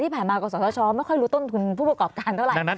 ที่ผ่านมากับกศชไม่ค่อยรู้ต้นทุนผู้ประกอบการเท่าไร